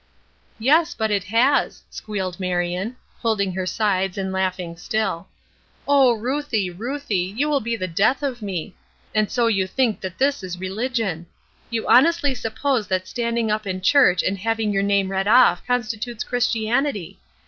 "Yes, but it has," squealed Marion, holding her sides and laughing still. "Oh, Ruthie, Ruthie, you will be the death of me! And so you think that this is religion! You honestly suppose that standing up in church and having your name read off constitutes Christianity!